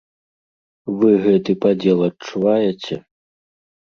Вы гэты падзел адчуваеце?